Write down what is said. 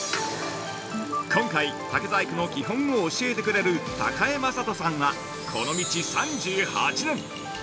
◆今回、竹細工の基本を教えてくれる高江雅人さんは、この道３８年。